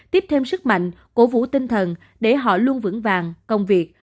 tiếp thêm sức mạnh cổ vũ tinh thần để họ luôn vững vàng công việc